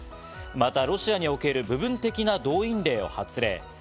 またロシアにおける部分的な動員令を発令。